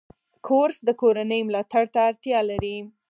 کورس د کورنۍ ملاتړ ته اړتیا لري.